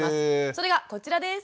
それがこちらです。